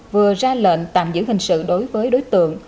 vừa ra lệnh tạm giữ hình sự đối với đối tượng